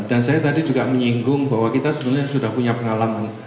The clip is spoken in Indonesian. dan saya tadi juga menyinggung bahwa kita sebenarnya sudah punya pengalaman